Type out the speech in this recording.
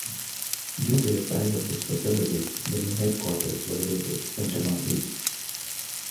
Due to the size of this facility, the new headquarters were labelled Pentagon East.